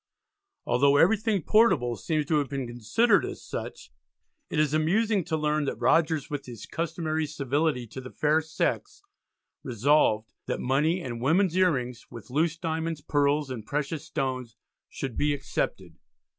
Although everything portable seems to have been considered as such, it is amusing to learn that Rogers with his customary civility to the fair sex, resolved "that money and women's ear rings, with loose diamonds, pearls, and precious stones" should "be excepted."